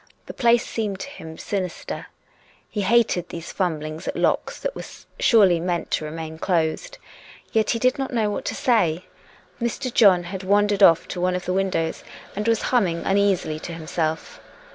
The place seemed to him sinister. He hated these fumblings at locks that were surely meant to remain closed. Yet he did not know what to say. Mr. John had wandered off to one of the windows and was humming un easily to himself.